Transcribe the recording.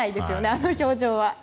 あの表情は。